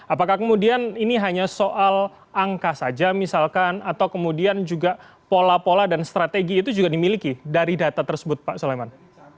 apakah kemudian ini hanya soal angka saja misalkan atau kemudian juga pola pola dan strategi itu juga dimiliki dari data tersebut pak soleman